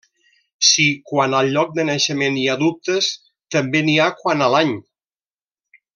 Si quant al lloc de naixement hi ha dubtes, també n'hi ha quant a l'any.